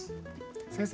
先生